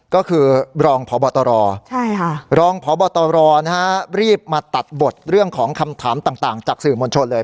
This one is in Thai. ก็คือรองพบตรรองพบตรรีบมาตัดบทเรื่องของคำถามต่างจากสื่อมวลชนเลย